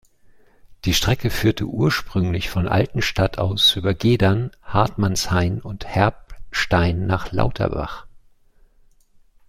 Die Strecke führte ursprünglich von Altenstadt aus über Gedern, Hartmannshain und Herbstein nach Lauterbach.